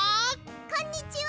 こんにちは！